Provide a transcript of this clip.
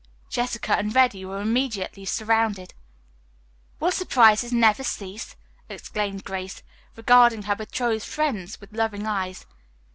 Jessica and Reddy were immediately surrounded. "Will surprises never cease?" exclaimed Grace, regarding her betrothed friends with loving eyes.